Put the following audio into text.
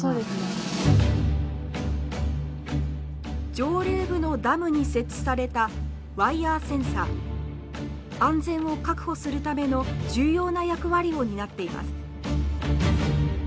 上流部のダムに設置された安全を確保するための重要な役割を担っています。